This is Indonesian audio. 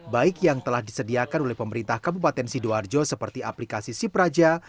baik yang telah disediakan oleh pemerintah kabupaten sidoarjo seperti aplikasi sipraja